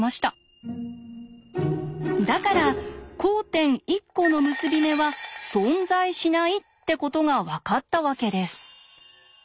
だから交点１コの結び目は存在しないってことが分かったわけです。